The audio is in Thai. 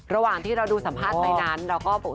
ระหว่างที่เราดูสัมภาษณ์ไปนั้นเราก็บอก